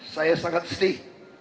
saya sangat sedih